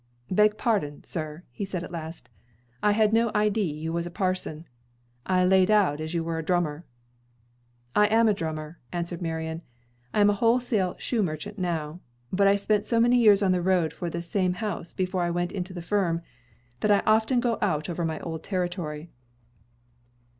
"Beg pardon, sir," he said at last. "I had no idee you was a parson. I laid out as you was a drummer." "I am a drummer," answered Marion. "I am a wholesale shoe merchant now; but I spent so many years on the road for this same house before I went into the firm, that I often go out over my old territory."